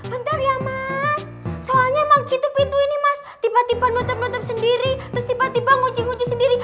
bentar ya mas soalnya emang pintu pintu ini mas tiba tiba nutup nutup sendiri terus tiba tiba nguci ngunci sendiri